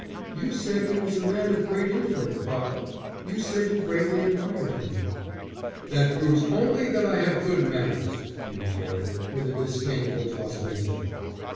"You said he was a man of great intellect, papa. You said you greatly admired him." "That proves only that I have good manners," he retorted, with a disdainful toss of his head.